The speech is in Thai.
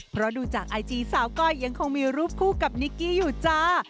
เพราะดูจากไอจีสาวก้อยยังคงมีรูปคู่กับนิกกี้อยู่จ้า